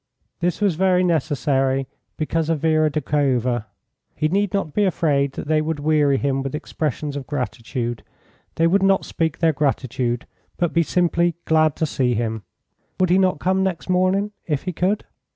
This was very necessary because of Vera Doukhova. He need not be afraid that they would weary him with expressions of gratitude. They would not speak their gratitude, but be simply glad to see him. Would he not come next morning, if he could?